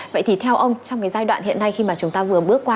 vậy thì theo ông trong cái giai đoạn hiện nay khi mà chúng ta vừa bước qua